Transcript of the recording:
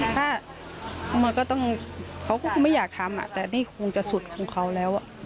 ถ้าลูกมันตายบัีบอชิบแต่คงจะสุดของเขาแล้ว